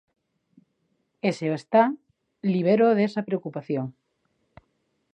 E, se o está, libéroo desa preocupación.